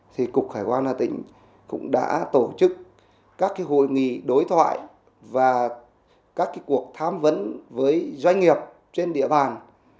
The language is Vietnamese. thì cục hải quan hà tĩnh cũng đã tổ chức các hội nghị đối thoại và các cuộc tham vấn với doanh nghiệp trên địa bàn